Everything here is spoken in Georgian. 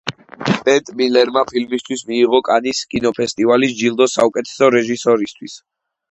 ბენეტ მილერმა ფილმისთვის მიიღო კანის კინოფესტივალის ჯილდო საუკეთესო რეჟისორისთვის.